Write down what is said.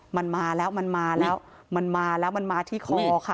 มันมาแล้วมันมาแล้วมันมาแล้วมันมาที่คอค่ะ